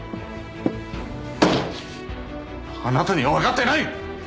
あなたにはわかってない！